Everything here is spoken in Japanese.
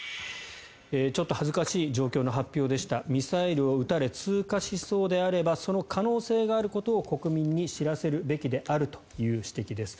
ちょっと恥ずかしい状況の発表でしたミサイルを撃たれ通過しそうであればその可能性があることを国民に知らせるべきであるという指摘です。